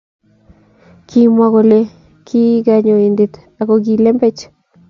Kimwa kole ki konyoindet ako ki lembech